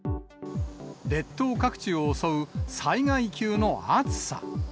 列島各地を襲う災害級の暑さ。